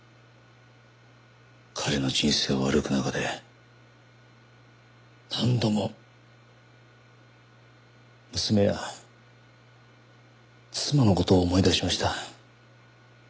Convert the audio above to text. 彼の人生を歩く中で何度も娘や妻の事を思い出しました。